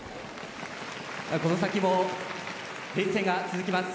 この先も、連戦が続きます。